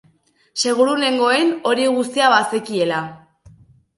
Seguru nengoen hori guztia bazekiela.